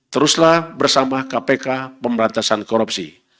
teruslah bersama kpk pemberantasan korupsi